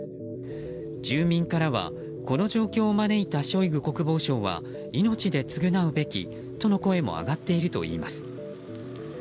住民からはこの状況を招いたショイグ国防相は命で償うべきとの声も上がっているといいます。